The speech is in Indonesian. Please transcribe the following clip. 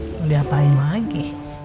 boleh apain lagi